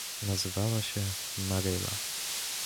Nazywała się Maryla.